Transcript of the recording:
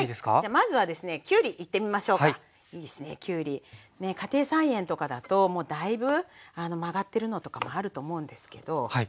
いいですねきゅうり家庭菜園とかだともうだいぶ曲がってるのとかもあると思うんですけど。